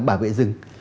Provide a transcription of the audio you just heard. tôi bảo vệ rừng